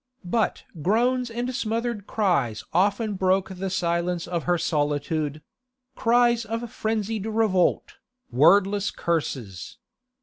But groans and smothered cries often broke the silence of her solitude—cries of frenzied revolt, wordless curses.